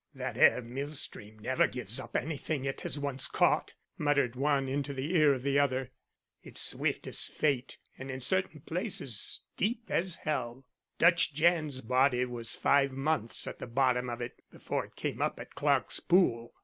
"That 'ere mill stream never gives up anything it has once caught," muttered one into the ear of the other. "It's swift as fate and in certain places deep as hell. Dutch Jan's body was five months at the bottom of it, before it came up at Clark's pool."